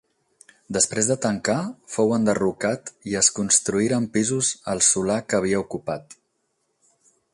Després de tancar, fou enderrocat i es construïren pisos al solar que havia ocupat.